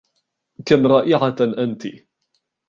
كم رائعة أنتِ!